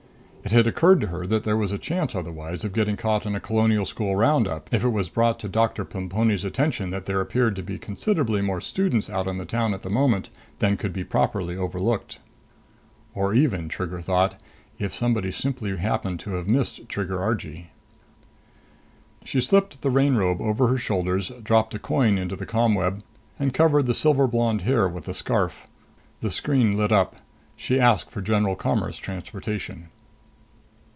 It had occurred to her that there was a chance otherwise of getting caught in a Colonial School roundup, if it was brought to Doctor Plemponi's attention that there appeared to be considerably more students out on the town at the moment than could be properly overlooked. Or even, Trigger thought, if somebody simply happened to have missed Trigger Argee. She slipped the rain robe over her shoulders, dropped a coin into the ComWeb, and covered the silver blonde hair with the scarf. The screen lit up. She asked for Grand Commerce Transportation.